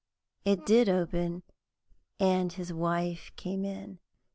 It did open, and his wife came in.